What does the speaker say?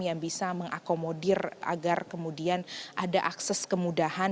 yang bisa mengakomodir agar kemudian ada akses kemudahan